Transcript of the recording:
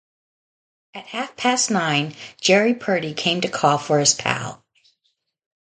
At half-past nine Jerry Purdy came to call for his pal.